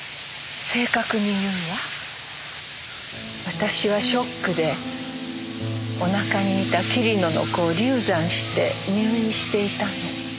私はショックでお腹にいた桐野の子を流産して入院していたの。